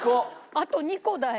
あと２個だよ。